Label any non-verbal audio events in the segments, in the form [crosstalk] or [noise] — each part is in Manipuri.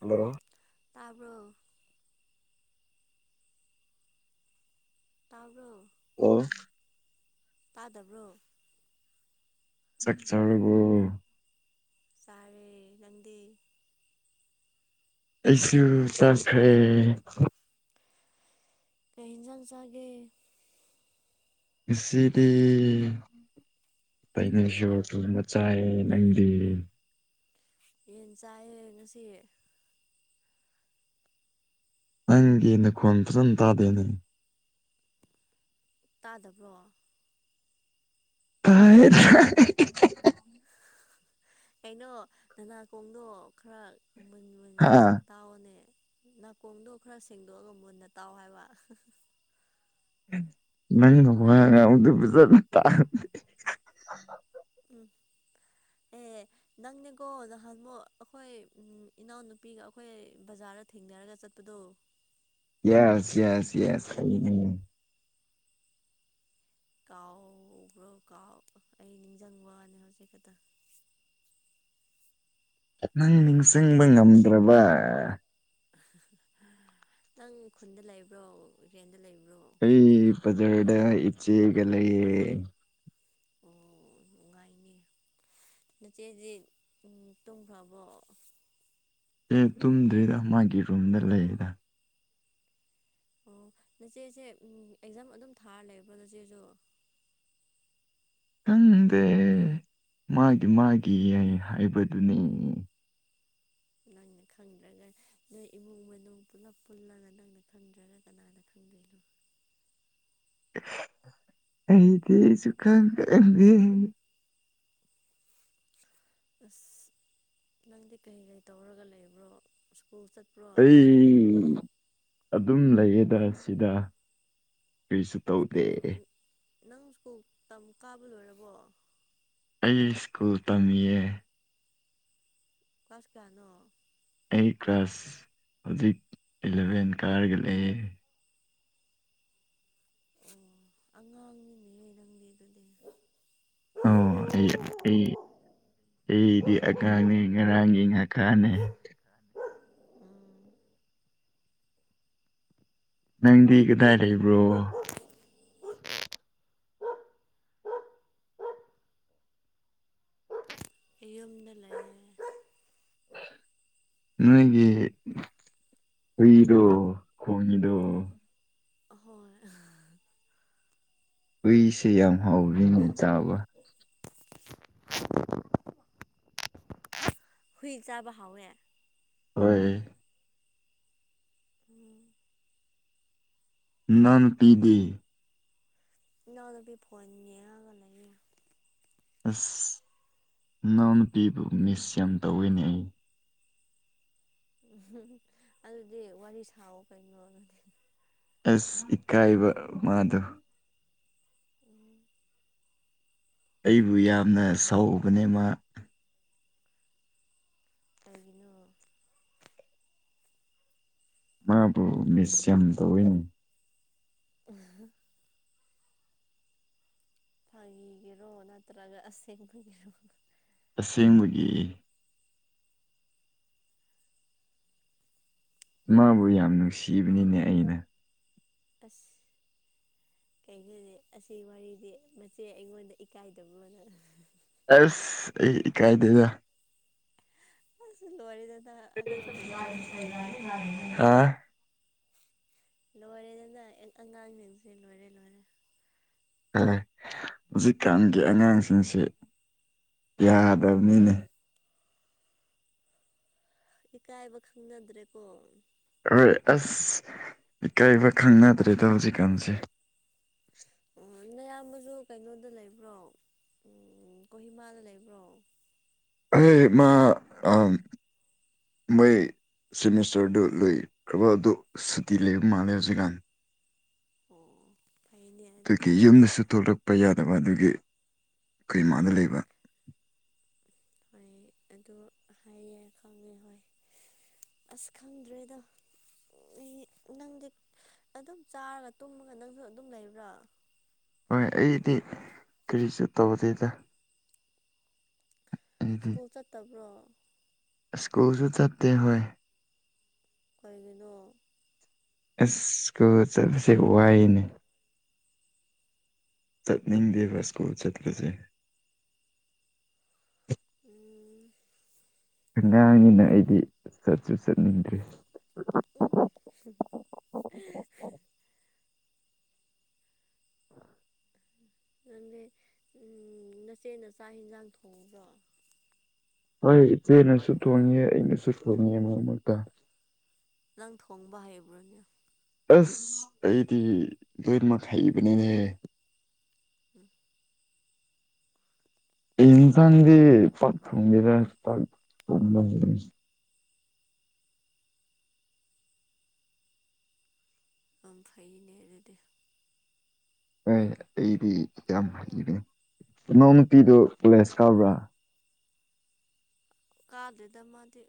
ꯍꯜꯂꯣ ꯇꯥꯔꯕꯣ ꯇꯥꯔꯣ ꯑꯣ ꯇꯥꯗꯕ꯭ꯔꯣ ꯆꯆꯥꯔꯕꯨ ꯁꯥꯔꯦ ꯂꯟꯗꯤ ꯑꯩꯁꯨ ꯆꯥꯈ꯭ꯔꯦ ꯀꯩ ꯍꯟꯖꯥꯡ ꯆꯒꯦ ꯁꯤ ꯁꯤꯗꯤ ꯄꯅꯦ ꯁꯣꯔꯇꯨ ꯃꯆꯥꯥꯏ ꯅꯪꯗꯤ ꯌꯦꯟ ꯆꯥꯏꯌꯦꯦ ꯉꯁꯤ ꯅꯪꯒꯤ ꯅꯈꯣꯟꯜ ꯐꯖꯅ ꯇꯥꯗꯦꯅꯦ ꯇꯥꯗꯕ꯭ꯔꯣ ꯐꯥꯏ ꯀꯩꯅꯣ ꯅꯅꯥꯀꯣꯡꯗꯣ ꯈꯔ ꯃꯟ ꯃꯟꯅ ꯍꯥ ꯇꯥꯎꯑꯣꯅꯦ ꯅꯥꯀꯣꯡꯗꯣ ꯈꯔ ꯁꯦꯡꯗꯣꯛꯑꯒ ꯃꯨꯟꯅ ꯇꯥꯎ ꯍꯥꯏꯕ ꯅ ꯍꯒꯗ ꯄꯖ ꯇꯥ [unintelligible] ꯑꯦ ꯅꯪꯅꯦꯀꯣ ꯅꯍꯥꯟꯃꯨꯛ ꯑꯩꯈꯣꯏ ꯎ ꯏꯅꯥꯎꯅꯨꯄꯤꯒ ꯑꯩꯈꯣꯏ ꯕꯖꯥꯔ ꯊꯦꯡꯅꯔꯒ ꯆꯠꯄꯗꯣ ꯌꯦꯁ ꯌꯦꯁ ꯌꯦꯁ ꯀꯩ ꯅ ꯀꯑꯣ ꯄꯨꯕ꯭ꯔꯣ ꯀꯥꯎ ꯑꯩ ꯅꯤꯡꯁꯤꯡꯕꯅꯤ ꯍꯧꯖꯤꯛ ꯈꯛꯇꯪ ꯅꯪ ꯅꯤꯡꯁꯤꯡꯕ ꯉꯝꯗ꯭ꯔꯕ ꯅꯪ ꯈꯨꯟꯗ ꯂꯩꯕ꯭ꯔꯣ ꯏꯔꯦꯟꯗ ꯂꯩꯕ꯭ꯔꯣ ꯑꯩ ꯖꯔꯗ ꯏꯆꯦꯒ ꯂꯩꯦ ꯑꯣ ꯅꯨꯡꯉꯥꯏꯅꯤ ꯆꯦꯁꯤꯁꯦ ꯇꯨꯡ ꯈꯔꯥꯕꯣ ꯑꯦ ꯇꯨꯝꯗ꯭ꯔꯤꯗ ꯃꯥꯒꯤ ꯔꯨꯝꯗ ꯂꯩꯗ ꯑꯣ ꯅꯆꯦꯁꯦ ꯑꯦꯛꯖꯥꯝ ꯑꯗꯨꯝ ꯊꯥꯔ ꯂꯩꯕꯣ ꯅꯆꯦꯁꯨ ꯈꯪꯗꯦ ꯃꯥꯒꯤ ꯃꯥꯒꯤ ꯌꯥꯏ ꯍꯥꯏꯕꯗꯨꯅꯤ ꯅꯪꯅ ꯈꯪꯗ꯭ꯔꯒ ꯅꯣꯏ ꯏꯃꯨꯡ ꯃꯅꯨꯡ ꯄꯨꯂꯞ ꯄꯨꯜꯂꯒ ꯅꯪꯅ ꯈꯪꯗ꯭ꯔꯒ ꯀꯅꯥꯅ ꯈꯪꯦ ꯀꯗꯨ ꯑꯩꯗꯤꯁꯨ ꯈꯪ ꯈꯪꯗꯦ ꯑꯁ ꯅꯪꯗꯤ ꯀꯩ ꯀꯩ ꯇꯧꯔꯒ ꯂꯩꯕ꯭ꯔꯣ ꯁ꯭ꯀꯨꯜ ꯆꯠꯄ꯭ꯔꯣ ꯑꯩ ꯅꯪ ꯑꯗꯨꯝ ꯂꯩꯌꯦꯗ ꯁꯤꯗ ꯀꯔꯤꯁꯨ ꯇꯧꯗꯦ ꯁ꯭ꯀꯨꯜ ꯅꯪ ꯁ꯭ꯀꯨꯜ ꯇꯝ ꯀꯥꯕ ꯂꯣꯏꯔꯕꯣ ꯏꯁꯀꯨꯜ ꯇꯝꯌꯦ ꯑꯣꯀꯥꯁ ꯀꯅꯣ ꯑꯩ ꯀ꯭ꯂꯥꯁ ꯍꯧꯖꯤꯛ ꯏꯂꯚꯦꯟ ꯀꯥꯔꯒ ꯂꯩꯑꯦ ꯑꯣ ꯑꯉꯥꯡꯅꯤꯅꯦ ꯅꯪꯒꯤ ꯑꯗꯨꯗꯤ ꯑꯣ ꯑꯩ ꯑꯩ ꯑꯩꯗꯤ ꯑꯉꯥꯡꯅꯦ ꯉꯔꯥꯡꯒꯤ ꯉꯈꯥꯅꯦ ꯎꯝ ꯅꯪꯗꯤ ꯀꯗꯥꯏ ꯂꯩꯕ꯭ꯔꯣ ꯌꯨꯝꯗꯂꯦ ꯅꯣꯏꯒꯤ ꯍꯨꯏꯗꯣ ꯈꯉꯗ ꯍꯣꯏ ꯀꯨꯏꯁꯦ ꯌꯥꯝ ꯍꯥꯎꯔꯤꯅꯦ ꯆꯥꯕ ꯍꯨꯏ ꯆꯕ ꯍꯥꯎꯋꯦ ꯍꯣꯏ ꯎꯝ ꯅꯪ ꯄꯤꯗꯦ ꯏꯗ ꯐ ꯐꯣꯟꯅꯦꯉꯒ ꯂꯩꯦ ꯑꯁ ꯅꯅꯥꯎꯅꯄꯤꯤꯕꯨ ꯃꯤꯁ ꯌꯥꯝ ꯇꯧꯋꯤꯅꯦ ꯑꯩ ꯎꯝ ꯑꯗꯨꯗꯤ ꯋꯥꯔꯤ ꯁꯥꯑꯣ ꯀꯩꯅꯣ ꯑꯗꯨꯗꯤ ꯑꯁ ꯏꯠꯀꯥꯏꯕ ꯃꯥꯗꯣ ꯑꯩꯕꯨ ꯌꯥꯝꯅ ꯁꯥꯎꯕꯅꯦ ꯃꯥ ꯀꯒꯤꯅꯣ ꯃꯥꯕꯨ ꯃꯤꯁꯝ ꯇꯧꯏꯅꯤ [unintelligible] ꯐꯥꯒꯤꯒꯤꯔꯣ ꯅꯠꯇ꯭ꯔꯒ ꯑꯁꯦꯡꯕꯒꯤꯔꯣ ꯑꯁꯦꯡꯕꯒꯤ ꯃꯥꯕꯨ ꯌꯥꯝ ꯅꯨꯡꯁꯤꯕꯅꯤꯅꯦ ꯑꯩꯅ ꯑꯁ ꯀꯩꯒꯣꯦ ꯑꯁꯤ ꯋꯥꯔꯤꯗꯤ ꯃꯆꯦ ꯑꯩꯉꯣꯟꯗ ꯏꯀꯥꯏꯗꯕꯅ ꯑꯁ ꯏ ꯀꯥꯏꯗꯦꯗ ꯑ ꯂ ꯋꯥꯔꯤꯗ ꯑ ꯂꯣꯏꯔꯦꯗꯅ ꯑꯉꯥꯡꯁꯤꯡꯁꯦ ꯂꯣꯏꯔꯦ ꯂꯣꯏꯔꯦ ꯍ ꯍꯧꯖꯤꯛꯀꯥꯟꯒꯤ ꯑꯉꯥꯡꯁꯤꯡꯁꯤ ꯀꯤꯗꯕꯅꯤꯅꯦ ꯏꯀꯥꯏꯕ ꯈꯪꯅꯗ꯭ꯔꯦꯀꯣ ꯍꯣꯏ ꯑꯁ ꯏꯀꯥꯏꯕ ꯈꯪꯅꯗ꯭ꯔꯦꯗ ꯍꯧꯖꯤꯛꯀꯥꯟꯁꯦ ꯅꯌꯥꯝꯕꯁꯨ ꯀꯩꯅꯣꯗ ꯂꯩꯕ꯭ꯔꯣ ꯀꯣꯍꯤꯃꯥꯗ ꯂꯩꯕ꯭ꯔꯣ ꯑꯩꯣꯏ ꯃꯥ ꯃꯣꯏ ꯁꯤꯃꯤꯁꯇꯔꯗꯨ ꯂꯩꯣꯏ ꯀ꯭ꯔꯕꯗꯨ ꯁꯨꯇꯤꯂꯦ ꯃꯥꯂꯦ ꯍꯧꯖꯤꯒꯥꯟ ꯑꯣ ꯐꯩꯅꯦ ꯑꯗꯨꯒꯤ ꯑꯗꯨꯗꯤ ꯌꯨꯝꯗꯁꯨ ꯊꯣꯛꯂꯛꯄ ꯌꯥꯗꯕ ꯑꯗꯨꯒꯤ ꯀꯔꯤꯃꯥꯗ ꯎꯝ ꯂꯩꯕ ꯍꯣꯏ ꯑꯗꯨ ꯍꯥꯏꯌꯦꯦ ꯈꯪꯉꯦ ꯍꯣꯏ ꯑꯁꯈꯥꯟꯗ꯭ꯔꯦꯗ ꯅꯪꯗꯤ ꯑꯗꯨꯝ ꯆꯥꯔꯒ ꯇꯨꯝꯃꯒ ꯅꯪꯁꯨ ꯑꯗꯨꯝ ꯂꯩꯕ꯭ꯔꯥ ꯍꯣꯏ ꯑꯩꯗꯤ ꯀꯔꯤꯁꯨ ꯇꯧꯗꯦꯗ ꯑꯩꯗꯤ ꯁ꯭ꯀꯨꯜ ꯆꯠꯇꯕ꯭ꯔꯣ ꯁ꯭ꯀꯨꯜꯁꯨ ꯆꯠꯇꯦ ꯍꯣꯏ ꯀꯩꯒꯤꯅꯣ ꯏꯁ ꯀꯣ ꯆꯠꯄꯁꯦ ꯋꯥꯏꯅꯦ ꯆꯠꯅꯤꯡꯗꯦ ꯋꯥꯁꯀꯨ ꯆꯠꯂꯁꯦ ꯎꯝ ꯑꯉꯥꯡꯅꯤꯅ ꯑꯩꯗꯤ ꯆꯠꯁꯨ ꯆꯠꯅꯤꯡꯗ꯭ꯔꯤ ꯎ ꯅꯗꯤ ꯅꯆꯦꯅ ꯆꯥꯛ ꯌꯦꯟꯁꯥꯡ ꯊꯣꯡꯕ꯭ꯔꯣ ꯍꯣꯏ ꯏꯆꯦꯅꯁꯨ ꯊꯣꯡꯉꯦ ꯑꯩꯅꯁꯨ ꯊꯣꯡꯉꯦ ꯃꯔꯛ ꯃꯔꯛꯇ ꯅꯪ ꯊꯣꯡꯕ ꯍꯩꯕ꯭ꯔꯅꯦ ꯑꯁ ꯑꯩꯗꯤ ꯂꯣꯏꯅꯃꯛ ꯍꯩꯕꯅꯤꯅꯦ ꯎꯝ ꯏꯟꯁꯥꯡꯒꯤ ꯄꯥꯛ ꯐꯪꯗ ꯑꯝꯐꯅꯦ ꯑꯗꯨꯔꯗꯤ ꯍ ꯑꯩꯗꯤ ꯌꯥꯝ ꯐꯩꯅꯦ ꯅꯣꯡꯃꯇꯤꯗꯨ ꯂꯦꯁꯈꯕ꯭ꯔꯥ ꯀꯥꯗꯨꯗ ꯃꯥꯗꯤ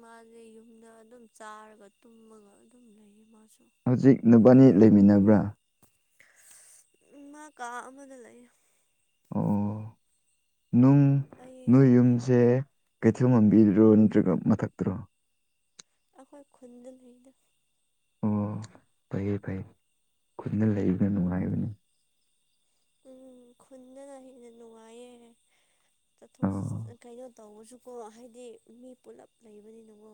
ꯃꯥꯁꯦ ꯌꯨꯝꯗ ꯑꯗꯨꯝ ꯆꯥꯔꯒ ꯇꯨꯝꯃꯒ ꯑꯗꯨꯝ ꯂꯩꯌꯦ ꯃꯥꯁꯨ ꯍꯧꯖꯤꯛ ꯅꯨꯄꯥꯅꯤ ꯂꯩꯃꯤꯟꯅꯕ꯭ꯔꯥ ꯃꯥ ꯀꯥ ꯑꯃꯗ ꯂꯩ ꯑꯣ ꯅꯨꯡ ꯑꯩ ꯅꯣꯏ ꯌꯨꯝꯁꯦ ꯀꯩꯊꯦꯜ ꯃꯝꯕꯤꯔꯔꯣ ꯅꯠꯇ꯭ꯔꯒ ꯃꯊꯛꯇꯔꯣ ꯑꯩꯈꯣꯏ ꯈꯨꯟꯗ ꯂꯩꯅ ꯑꯣ ꯐꯩꯌꯦ ꯐꯩꯌꯦ ꯈꯨꯅ ꯂꯩꯕꯅ ꯅꯨꯡꯉꯥꯏꯕꯅꯤ ꯎꯝ ꯈꯨꯟꯗꯅ ꯍꯦꯟꯅ ꯅꯨꯡꯉꯥꯏꯌꯦ ꯆꯠꯊꯣꯛ ꯆꯠ ꯑꯣ ꯀꯩꯅꯣ ꯇꯧꯕꯔꯁꯨꯀꯣ ꯍꯥꯏꯗꯤ ꯃꯤ ꯄꯨꯂꯞ ꯂꯩꯕꯅꯤꯅꯀꯣ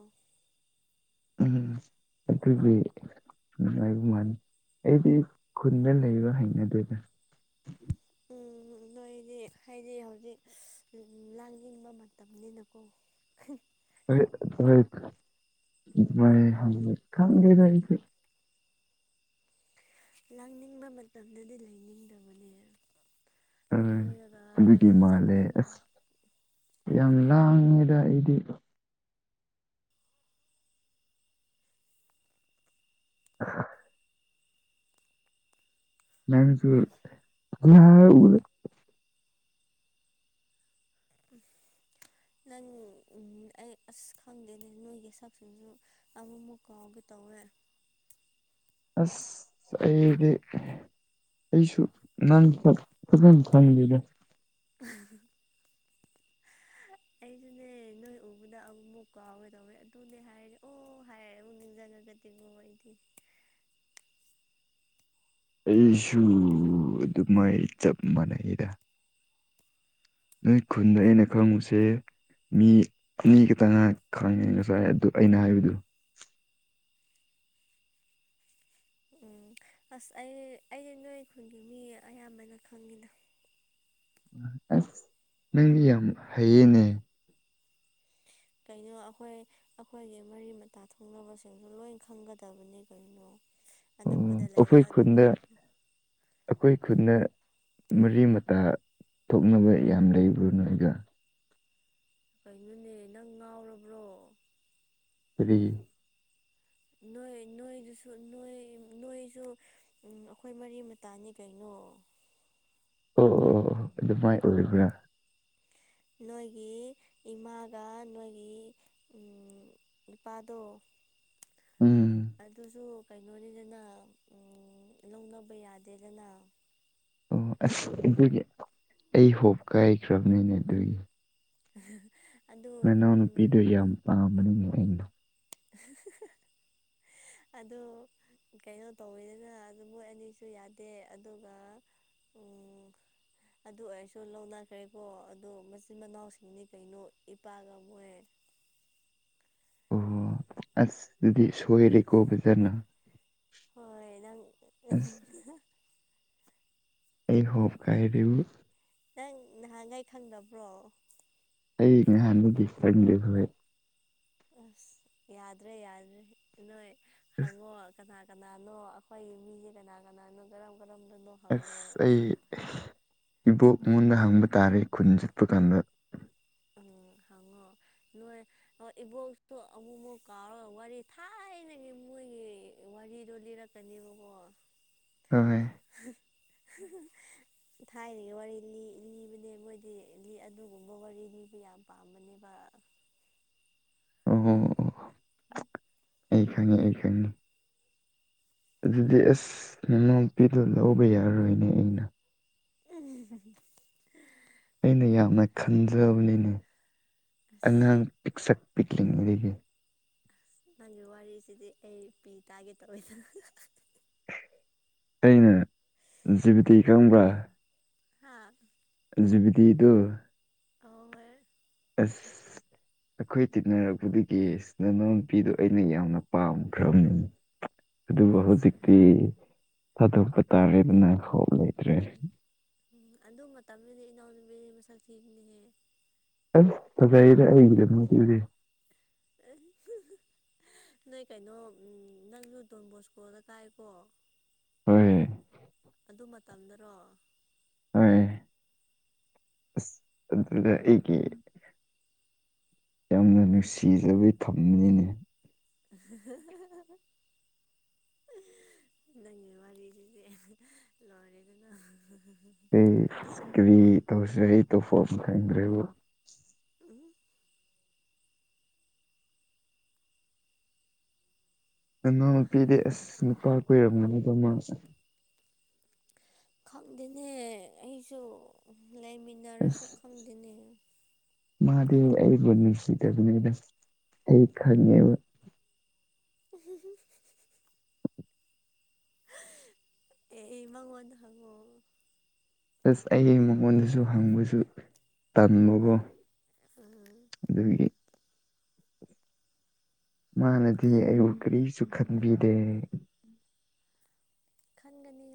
ꯎꯝ ꯑꯗꯨꯠꯇꯗꯤ ꯎꯝꯉꯕ ꯃꯥꯜꯂꯤ ꯑꯩꯗꯤ ꯈꯨꯟꯗ ꯂꯩꯕ ꯍꯩꯅꯗꯣꯏꯗ ꯎꯝꯣꯏ ꯗꯤ ꯍꯥꯏꯗꯤ ꯍꯧꯖꯤꯛ ꯂꯥꯡ ꯌꯦꯡꯕ ꯃꯇꯝꯅꯤꯅꯀꯣ ꯍꫭꯏ ꯍꫭꯏ ꯗꯨꯃꯥꯏꯅ ꯍꯥꯏꯕꯅꯤ ꯈꯪꯗꯦꯗ ꯑꯩꯁꯨ ꯂꯥꯡꯅꯤꯡꯕ ꯃꯇꯝꯗꯗꯤ ꯂꯩꯅꯤꯡꯗꯕꯅꯦ ꯑ ꯀꯣꯏꯔꯒ ꯑꯗꯨꯒꯤ ꯃꯥꯜꯂꯦ ꯆꯠꯂꯒ ꯑꯁ ꯌꯥꯝ ꯂꯥꯡꯉꯗ ꯏꯗꯤ [inaudible] ꯃꯁꯨ ꯑ ꯎ ꯎꯝ ꯅꯪ ꯎꯝ ꯑꯩ ꯑꯁ ꯈꯪꯗꯦꯅꯦ ꯅꯣꯏꯒꯤ ꯁꯥꯞꯁꯟꯁꯨ ꯑꯃꯛ ꯃꯨꯛꯀꯥꯎꯒꯦ ꯇꯧꯋꯦ ꯑꯁ ꯑꯩꯗꯤ ꯑꯩꯁꯨ ꯅꯪ ꯆ ꯐꯪꯕꯤꯗ [inaudible] ꯑꯩꯖꯅꯦ ꯅꯣꯏ ꯑꯣ ꯑꯗꯨꯅ ꯑꯃꯨꯛ ꯑꯃꯨꯛ ꯀꯥꯎꯋꯦ ꯇꯧꯋꯦ ꯑꯗꯨꯗꯤ ꯍꯥꯏꯔꯦ ꯑꯣ ꯍꯥꯏꯔꯦ ꯑꯃꯨꯛ ꯅꯤꯡꯁꯤꯡꯉꯒꯗꯤꯕꯣ ꯑꯩꯗꯤꯗꯤ [inaudible] ꯑꯩꯁꯨ ꯑꯗꯨꯃꯥꯏ ꯆꯞꯝꯕꯅꯩ ꯑꯩꯗ ꯅꯣꯏ ꯈꯨꯟꯗ ꯑꯩꯅ ꯈꯪꯉꯨꯁꯦ ꯃꯤ ꯑꯅꯤ ꯈꯈꯤꯇꯪ ꯉꯥꯏꯍꯥꯛ ꯈꯥꯡꯉꯦ ꯉꯁꯥꯏ ꯑꯗꯨ ꯑꯩꯅ ꯍꯥꯏꯕꯗꯨ ꯎꯝ ꯑꯁ ꯑꯩ ꯑꯩꯁ ꯅꯣꯏ ꯈꯨꯜꯒꯤ ꯃꯤ ꯑꯌꯥꯝꯕꯅ ꯈꯪꯉꯦꯅ ꯑꯁ ꯅꯪꯗꯤ ꯌꯥꯝ ꯍꯩꯌꯦꯅꯦ ꯀꯩꯅꯣ ꯑꯩꯈꯣꯏ ꯑꯩꯈꯣꯏꯒꯤ ꯃꯔꯤ ꯃꯇꯥ ꯊꯣꯡꯅꯕꯁꯤꯡꯁꯨ ꯂꯣꯏ ꯈꯪꯒꯗꯕꯅꯤ ꯀꯩꯅꯣ ꯑꯣ ꯑꯅꯛꯄꯗ ꯑꯩꯈꯣꯏ ꯂꯩꯔꯒ ꯈꯨꯟꯗ ꯑꯗꯨꯐꯥꯎ ꯑꯩꯈꯣꯏ ꯈꯨꯟꯗ ꯃꯔꯤ ꯃꯇꯥ ꯊꯣꯛꯅꯕ ꯌꯥꯝ ꯂꯩꯕ꯭ꯔꯥ ꯅꯣꯏꯒ ꯀꯩꯅꯣꯅꯦ ꯅꯪ ꯉꯥꯎꯔꯕ꯭ꯔꯣ ꯇ꯭ꯔꯤ ꯅꯣꯏ ꯅꯣꯏꯗꯨꯁꯨ ꯅꯣꯏ ꯅꯣꯏꯁꯨ ꯑꯩꯈꯣꯏ ꯃꯔꯤ ꯃꯇꯥꯅꯤ ꯀꯩꯅꯣ ꯑꯣ ꯑꯣ ꯑꯣ ꯑꯣ ꯑꯣ ꯑꯗꯨꯃꯥꯏꯅ ꯑꯣꯏꯔꯤꯕ꯭ꯔꯥ ꯅꯣꯏꯒꯤ ꯏꯃꯥꯒ ꯅꯣꯏꯒꯤ ꯅꯨꯄꯥꯗꯣ ꯎꯝ ꯑꯗꯨꯁꯨ ꯀꯩꯅꯣꯅꯤꯗꯅ ꯂꯧꯅꯕ ꯌꯥꯗꯦꯗꯅ ꯑꯣ ꯑꯁ ꯑꯗꯨꯒꯤ ꯑꯩ ꯍꯣꯞ ꯀꯥꯏꯈ꯭ꯔꯕꯅꯤꯅꯦ ꯑꯗꯨꯒꯤ ꯎꯝ ꯃꯅꯥꯎ ꯅꯨꯄꯤꯗꯨ ꯌꯥꯝ ꯄꯥꯝꯕꯅꯤ ꯑꯩꯅ ꯑꯗꯣ ꯀꯩꯅꯣ ꯇꯧꯋꯤꯗꯅ ꯑꯗꯨ ꯃꯣꯏ ꯑꯅꯤꯁꯨ ꯌꯥꯗꯦ ꯑꯗꯨꯒ ꯑꯗꯨ ꯑꯣꯏꯔꯁꯨ ꯂꯧꯅꯈ꯭ꯔꯦꯀꯣ ꯑꯗꯨꯗꯣ ꯃꯆꯤꯟ ꯃꯅꯥꯎꯁꯤꯡꯗꯤ ꯀꯩꯅꯣ ꯏꯄꯥꯛꯒ ꯃꯣꯏ [inaudible] ꯑꯣ ꯑꯁ ꯑꯗꯨꯗꯤ ꯁꯣꯏꯔꯦꯀꯣꯕꯖꯥꯠꯅ ꯍꯣꯏ ꯅꯪ ꯑꯩꯅ ꯍꯣꯞ ꯀꯥꯏꯔꯤꯕꯕꯨ ꯅꯪ ꯅꯍꯥꯟꯈꯩ ꯈꯪꯗꯕ꯭ꯔꯣ ꯑꯩ ꯉꯍꯥꯟꯗꯤ ꯆꯪꯗꯦ ꯐꯣꯏ ꯑꯁ ꯌꯥꯗ꯭ꯔꯦ ꯌꯥꯗ꯭ꯔꯦ ꯅꯣꯏ ꯑꯁ ꯍꯪꯉꯣ ꯀꯅꯥ ꯀꯅꯥꯅꯣ ꯑꯩꯈꯣꯏ ꯃꯤꯁꯦ ꯀꯅꯥ ꯀꯅꯥꯅꯣ ꯀꯔꯝꯕ ꯑꯦꯁ ꯑꯩ ꯏꯕꯣꯛ ꯃꯉꯣꯟꯗ ꯍꯪꯕ ꯇꯥꯔꯦ ꯈꯨꯟ ꯆꯠꯄ ꯀꯥꯟꯗ ꯎꯝ ꯍꯉꯣ ꯅꯣꯏ ꯏꯕꯣꯛꯇꯣ ꯑꯃꯨꯛꯃꯨꯛ ꯀꯥꯎꯔꯒ ꯋꯥꯔꯤ ꯊꯥꯏꯅꯒꯤ ꯃꯣꯏꯒꯤ ꯋꯥꯔꯤꯗꯣ ꯂꯤꯔꯛꯀꯅꯦꯕꯀꯣ ꯇꯃꯦꯦ [unintelligible] ꯊꯥꯏꯅꯒꯤ ꯋꯥꯔꯤ ꯂꯤ ꯂꯤꯕꯅꯦ ꯃꯣꯏꯗꯤ ꯂꯤ ꯑꯗꯨꯒꯨꯝꯕ ꯋꯥꯔꯤ ꯂꯤ ꯑꯗꯨꯕꯨ ꯌꯥꯝ ꯄꯥꯃꯅꯦꯕ ꯑꯣ ꯑꯣ ꯑꯩ ꯈꯪꯉꯅꯤ ꯑꯩ ꯈꯪꯅꯤ ꯑꯗꯨꯗꯤ ꯑꯁ ꯅꯅꯥꯎꯄꯤꯗꯣ ꯂꯧꯕ ꯌꯥꯔꯔꯣꯏꯅꯦ ꯑꯩꯅ ꯑ ꯑꯩꯅ ꯌꯥꯝꯅ ꯈꯟꯖꯕꯅꯤꯅꯦ ꯑꯁ ꯑꯉꯥꯡ ꯄꯁꯛ ꯄꯤꯛꯂꯤꯛ ꯂꯩꯦ ꯅꯪꯒꯤ ꯋꯥꯔꯤꯁꯤꯗꯤ ꯑꯩ ꯄꯤ ꯇꯥꯒꯦ ꯇꯑꯣꯏꯗ ꯑꯩꯅ ꯖꯤꯕꯇꯤ ꯀꯪꯕ꯭ꯔꯥ ꯍꯥ ꯖꯕꯇꯤ ꯇꯣ ꯑ ꯑꯁ ꯑꯩꯈꯣꯏ ꯇꯤꯟꯅꯔꯛꯄꯗꯒꯤ ꯏꯁꯅꯅꯄꯤꯗꯨꯣ ꯑꯩꯅ ꯌꯥꯝꯅ ꯄꯥꯝꯈ꯭ꯔꯕꯅꯤ ꯑꯗꯨꯕꯨ ꯑꯁ ꯍꯧꯖꯤꯛꯇꯤ ꯊꯥꯗꯣꯛꯄ ꯇꯥꯔꯦꯗꯅ ꯍꯣꯂꯦ ꯎꯝ ꯑꯗꯨ ꯃꯇꯝꯗꯨꯗꯤ ꯏꯅꯥꯎ ꯅꯨꯄꯤ ꯃꯁꯛ ꯊꯤꯕꯅꯦꯍꯦ ꯑꯁ ꯐꯖꯔꯗꯤ ꯑ ꯅꯣꯏ ꯀꯩꯅꯣ ꯅꯪꯁꯨ ꯗꯣꯟ ꯕꯣꯁ ꯀꯣꯜꯂ ꯀꯥꯏꯑꯀꯣ ꯍꯣꯏ ꯑꯗꯨ ꯃꯇꯝꯗꯔꯣ ꯍꯣꯏ ꯑꯁ ꯑꯗꯨꯗ ꯑꯩꯒꯤ ꯌꯥꯝꯅ ꯅꯨꯡꯁꯤꯖꯕꯩ ꯊꯝꯅꯤꯅꯦ [unintelligible] ꯅꯪꯒꯤ ꯋꯥꯔꯤꯁꯤꯁꯦ ꯂꯣꯏꯔꯦ ꯑꯗꯨꯅ ꯏꯁꯀꯔꯤ ꯇꯁ ꯐꯣꯝ ꯊꯅ ꯔꯣ ꯎꯝ ꯅꯉꯎ ꯅꯨꯨꯄꯤꯗꯤ ꯑꯁ ꯅꯨꯄꯥ ꯀꯨꯏꯔꯕꯅꯗ ꯃꯥꯁꯦ ꯈꯪꯗꯦꯅꯦ ꯑꯩꯁꯨ ꯂꯥꯏꯃꯤꯟꯅꯔꯁꯨꯨ ꯈꯪꯗꯅꯤ ꯃꯥꯗꯤ ꯑꯩꯕꯨ ꯅꯨꯡꯁꯤꯗꯕꯅꯤꯗ ꯑꯩ ꯈꯪꯉꯦꯕ ꯎ ꯑꯦ ꯃꯉꯣꯗ ꯍꯒꯣ ꯄ꯭ꯂꯁ ꯑꯩꯒꯤ ꯃꯉꯣꯟꯗꯁꯨ ꯍꯪꯕꯁꯨ ꯇꯝꯃꯕꯣ ꯎꯝ ꯑꯗꯨꯗꯒꯤ ꯃꯥꯅꯗꯤ ꯑꯩꯕꯨ ꯀꯔꯤꯁꯨ ꯈꯟꯕꯤꯗꯦ ꯈꯟꯒꯅꯤ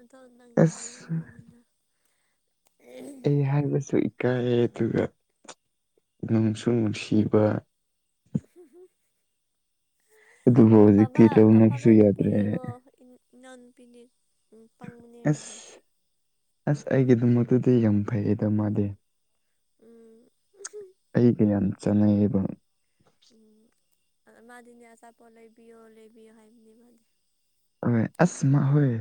ꯑꯗꯣ ꯅꯪ ꯍꯥꯏꯌꯣ ꯑꯁ ꯃꯉꯣꯟꯗ ꯑꯩ ꯍꯥꯏ ꯁꯨ ꯀꯥꯏꯑꯦ ꯑꯗꯨꯒ ꯅꯅꯨꯡꯁꯨ ꯅꯨꯡꯁꯤꯕ ꯑ ꯍ ꯑꯗꯨꯕꯨ ꯍꯧꯖꯤꯛꯇꯤ ꯂꯧꯅꯕꯁꯨ ꯅꯨꯄꯤ ꯌꯥꯗ꯭ꯔꯦ ꯌꯦꯡꯉꯣ ꯏꯅꯥꯎꯅꯨꯄꯤꯗꯤ ꯄꯪꯕꯅꯦ ꯌꯥꯅꯤ ꯑꯁ ꯑꯁ ꯑꯩꯒꯤꯗꯃꯛꯇꯨꯗꯤ ꯌꯥꯝ ꯐꯩꯌꯦꯗ ꯃꯥꯗꯤ ꯎꯝ ꯑꯩꯒꯌꯥꯝ ꯆꯥꯟꯅꯩꯑꯕ ꯎꯝ ꯃꯥꯗꯤꯅꯦ ꯑꯆꯥꯥꯄꯣꯠ ꯂꯩꯕꯤꯌꯣ ꯂꯩꯕꯤꯌꯣ ꯍꯥꯏꯕꯅꯦ ꯃꯥꯅꯤ ꯍꯣꯏ ꯑꯁ ꯃꯥ ꯍꯣꯏ